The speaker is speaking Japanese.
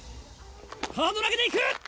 カード投げでいく！